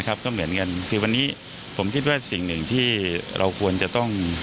ก็เหมือนกันคือวันนี้ผมคิดว่าสิ่งหนึ่งที่เราควรจะต้อง